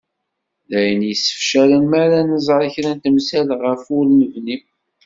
D ayen i yessefcalen mi ara nẓer kra n temsal ɣef ur nebni.